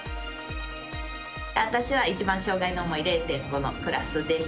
私は一番障がいの重い０．５のクラスです。